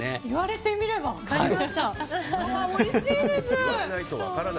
言われてみれば分かりました。